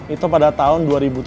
itu pada tahun dua ribu tujuh belas